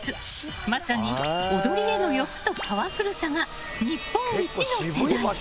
まさに踊りへの欲とパワフルさが日本一の世代。